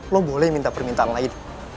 lo boleh minta permintaan lain